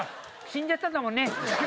死んじゃったんだもんね。